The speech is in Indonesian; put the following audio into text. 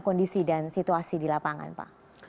kondisi dan situasi di lapangan pak